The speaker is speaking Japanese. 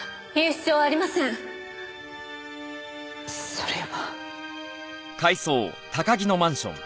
それは。